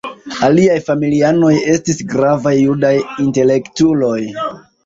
Aliaj familianoj estis gravaj judaj intelektuloj.